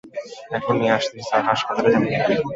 এখন নিয়ে আসতেছি স্যার হাসপাতালে যাবি?